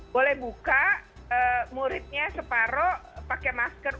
boleh buka muridnya separoh pakai masker